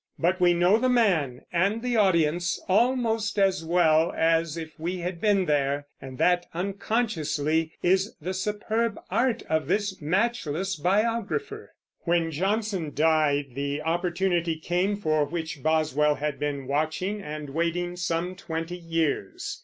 But we know the man, and the audience, almost as well as if we had been there; and that, unconsciously, is the superb art of this matchless biographer. When Johnson died the opportunity came for which Boswell had been watching and waiting some twenty years.